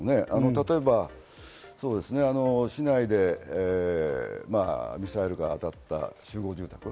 例えば市内でミサイルが当たった集合住宅。